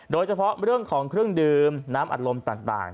โดยเฉพาะเรื่องของเครื่องดื่มน้ำอัดลมต่าง